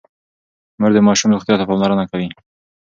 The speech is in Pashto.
مور د ماشوم روغتيا ته پاملرنه کوي.